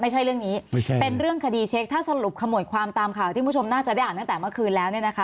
ไม่ใช่เรื่องนี้ไม่ใช่เป็นเรื่องคดีเช็คถ้าสรุปขโมยความตามข่าวที่คุณผู้ชมน่าจะได้อ่านตั้งแต่เมื่อคืนแล้วเนี่ยนะคะ